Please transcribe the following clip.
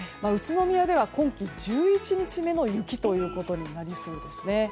宇都宮では今季１１日目の雪ということになりそうですね。